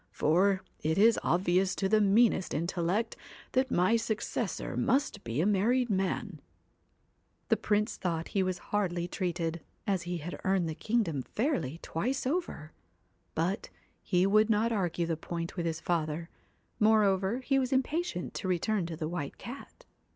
For, it is obvious to the meanest in tellect that my successor must be a married man.' The Prince thought he was hardly treated, as he had earned the kingdom fairly twice over, but he would not argue the point with his father, more over he was impatient to return to the White Cat.